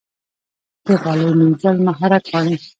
د غالۍ مینځل مهارت غواړي.